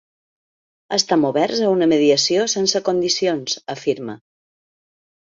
Estem obert a una mediació sense condicions, afirma.